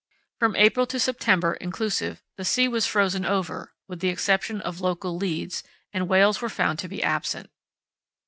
From April to September (inclusive) the sea was frozen over (with the exception of local "leads"), and whales were found to be absent.